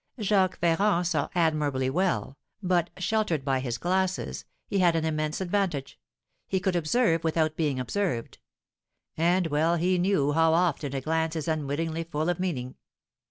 Jacques Ferrand saw admirably well; but, sheltered by his glasses, he had an immense advantage; he could observe without being observed; and well he knew how often a glance is unwittingly full of meaning.